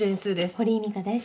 堀井美香です。